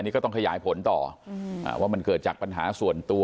นี่ก็ต้องขยายผลต่อว่ามันเกิดจากปัญหาส่วนตัว